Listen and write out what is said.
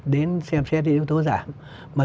đến xem xét những yếu tố giảm mà